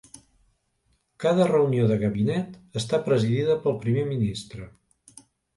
Cada reunió del gabinet està presidida pel Primer Ministre.